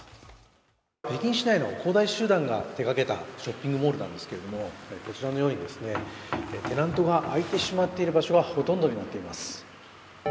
北京市内の恒大集団が手がけたショッピングモールなんですけれどもこちらのようにテナントが空いてしまっている場所がほとんどになっています。